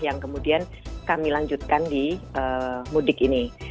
yang kemudian kami lanjutkan di mudik ini